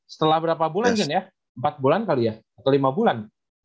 setelah berapa bulan kan ya empat bulan kali ya atau lima bulan